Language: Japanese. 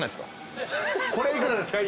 これ幾らですか？